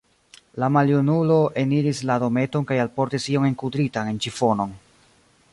La maljunulo eniris la dometon kaj alportis ion enkudritan en ĉifonon.